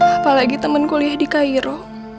apalagi teman kuliah di cairo